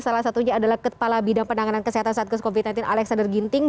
salah satunya adalah kepala bidang penanganan kesehatan satgas covid sembilan belas alexander ginting